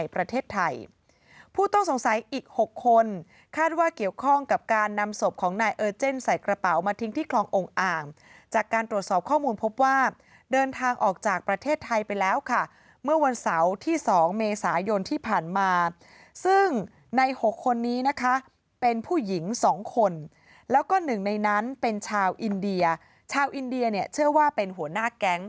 ประเทศไทยผู้ต้องสงสัยอีก๖คนคาดว่าเกี่ยวข้องกับการนำศพของนายเออร์เจนใส่กระเป๋ามาทิ้งที่คลององค์อ่างจากการตรวจสอบข้อมูลพบว่าเดินทางออกจากประเทศไทยไปแล้วค่ะเมื่อวันเสาร์ที่๒เมษายนที่ผ่านมาซึ่งใน๖คนนี้นะคะเป็นผู้หญิง๒คนแล้วก็หนึ่งในนั้นเป็นชาวอินเดียชาวอินเดียเนี่ยเชื่อว่าเป็นหัวหน้าแก๊ง